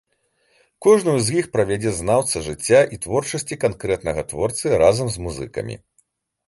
Кожную з іх правядзе знаўца жыцця і творчасці канкрэтнага творцы разам з музыкамі.